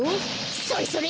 それそれ！